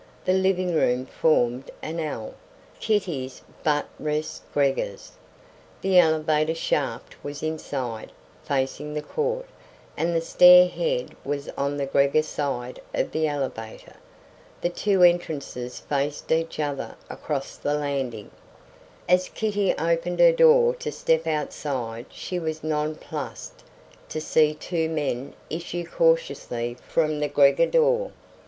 The living room formed an L. Kitty's buttressed Gregor's. The elevator shaft was inside, facing the court; and the stair head was on the Gregor side of the elevator. The two entrances faced each other across the landing. As Kitty opened her door to step outside she was nonplussed to see two men issue cautiously from the Gregor door.